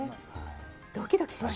ドキドキしました。